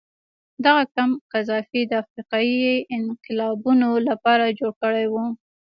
دغه کمپ قذافي د افریقایي انقلابینو لپاره جوړ کړی و.